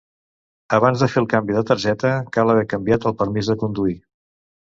Abans de fer el canvi de targeta cal haver canviat el permís de conduir.